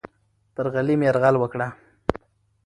پر غلیم یرغل وکړه.